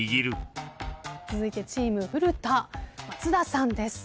続いてチーム古田松田さんです。